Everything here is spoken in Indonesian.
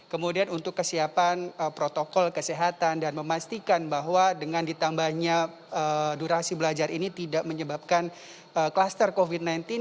kemudian untuk kesiapan protokol kesehatan dan memastikan bahwa dengan ditambahnya durasi belajar ini tidak menyebabkan klaster covid sembilan belas